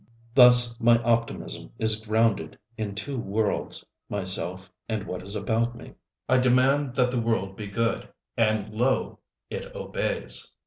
Thus my optimism is grounded in two worlds, myself and what is about me. I demand that the world be good, and lo, it obeys.